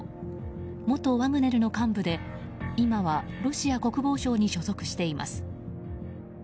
元ワグネルの幹部で、今はロシア国防省に所属しています。